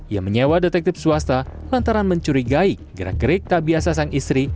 ia menyewa detektif swasta lantaran mencurigai gerak gerik tak biasa sang istri